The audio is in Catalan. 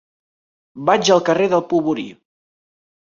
Vaig al carrer del Polvorí.